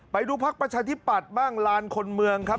พักประชาธิปัตย์บ้างลานคนเมืองครับ